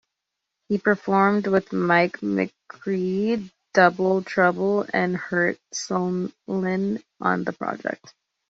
He performed with Mike McCready, Double Trouble and Hubert Sumlin, on the project.